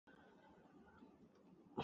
也有給紳士掌過嘴的，